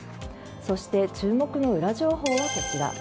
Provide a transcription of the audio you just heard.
そして注目のウラ情報はこちら。